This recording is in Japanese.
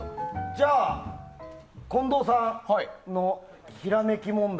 じゃあ、近藤さんのひらめき問題。